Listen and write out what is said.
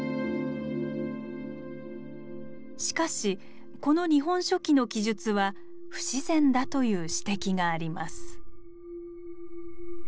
しかしこの「日本書紀」の記述は不自然だという指摘があります。